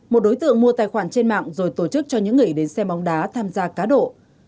một đối tượng mua tài khoản trên mạng rồi tổ chức cho những người đến xem bóng đá tham gia cá độ